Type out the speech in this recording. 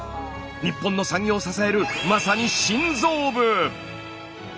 日本の産業を支えるまさに心臓部！